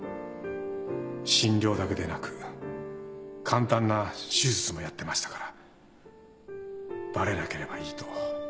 診療だけでなく簡単な手術もやってましたからバレなければいいと。